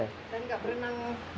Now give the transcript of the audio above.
dan enggak berenang